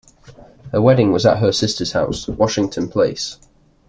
The wedding was at her sister's house, Washington Place.